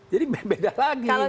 jadi beda lagi